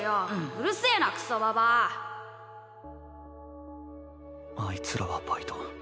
うるせぇなクソババあいつらはバイト。